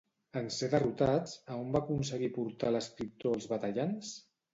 En ser derrotats, a on va aconseguir portar l'escriptor els batallants?